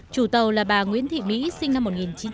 chủ tàu là bà nguyễn thị mỹ sinh năm một nghìn chín trăm bảy mươi ba